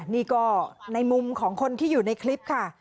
นี่ก็ในมุมของคนที่อยู่ในคลิปค่ะ